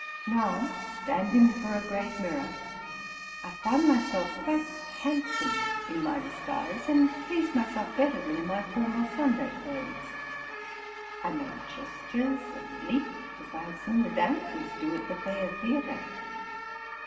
Now, standing before a great mirror, I found myself quite handsome in my disguise, and pleased myself better than in my formal Sunday clothes. I made gestures, and leaped, as I had seen the dancers do at the fair theatre.